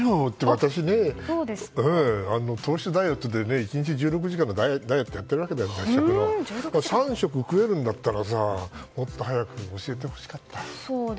私、糖質ダイエットで１日１６時間のダイエットやっていますけど３食食えるんだったらさもっと早く教えてほしかった。